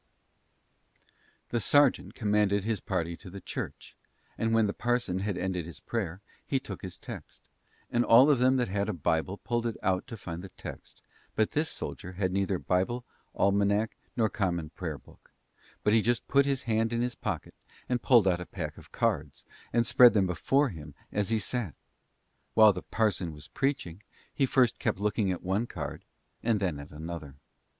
The sergeant commanded his party to the church, and when the parson had ended his prayer, he took his text; and all them that had a Bible pulled it out to find the text, but this soldier had neither Bible, Almanack, nor Common Prayer book; but he put his hand in his pocket and pulled out a pack of cards, and spread them before him as he sat. While the parson was preaching, he first kept looking at one card and then at another.